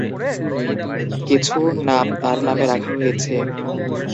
কিছু নাম তাঁর নামে রাখা হয়েছে।